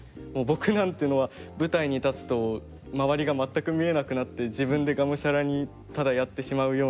僕なんていうのは舞台に立つと周りが全く見えなくなって自分でがむしゃらにただやってしまうような人でして。